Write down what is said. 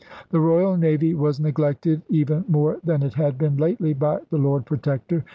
The Royal Navy was neglected even more than it had been lately by the Lord Protector.